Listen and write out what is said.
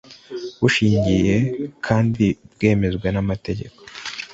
bushingiye kandi bwemezwa n’amategeko,